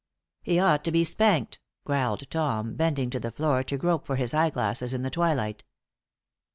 "He ought to be spanked," growled Tom, bending to the floor to grope for his eye glasses in the twilight.